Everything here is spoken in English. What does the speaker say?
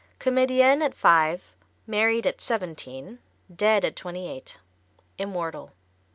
Comedienne at five, married at seventeen, dead at twenty eight immortal.